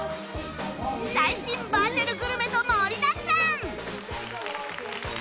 最新バーチャルグルメと盛りだくさん！